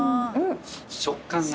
食感が。